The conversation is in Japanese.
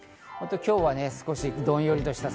今日は、どんよりとした空。